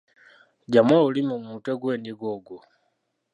Ggyamu olulimi mu mutwe gw'endiga ogwo.